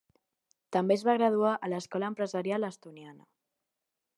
També es va graduar a l'Escola Empresarial Estoniana.